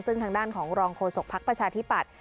ซึ่งทางด้านของรองโฆษกภักดิ์ประชาธิปัตย